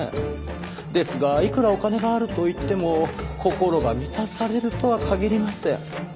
ですがいくらお金があるといっても心が満たされるとは限りません。